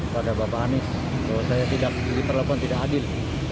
pada bapak anies kalau saya diperlakukan tidak adil